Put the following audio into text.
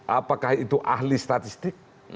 apakah itu ahli statistik